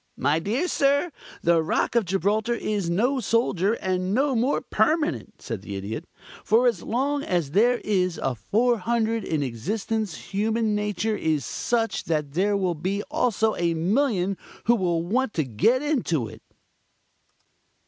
"My dear sir, the Rock of Gibraltar is no solider and no more permanent," said the Idiot. "For as long as there is a 400 in existence human nature is such that there will also be a million who will want to get into it."